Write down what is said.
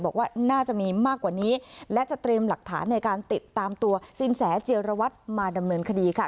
บอกว่าน่าจะมีมากกว่านี้และจะเตรียมหลักฐานในการติดตามตัวสินแสเจียรวัตรมาดำเนินคดีค่ะ